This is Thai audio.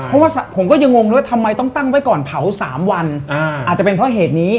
เพราะว่าผมก็ยังงงเลยว่าทำไมต้องตั้งไว้ก่อนเผา๓วันอาจจะเป็นเพราะเหตุนี้